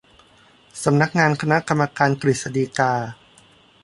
สำนักงานคณะกรรมการกฤษฎีกา